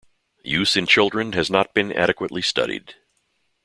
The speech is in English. Use in children has not been adequately studied.